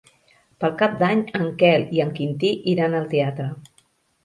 Per Cap d'Any en Quel i en Quintí iran al teatre.